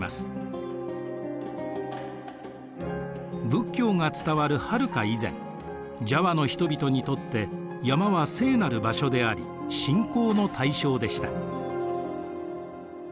仏教が伝わるはるか以前ジャワの人々にとって山は聖なる場所であり信仰の対象でした。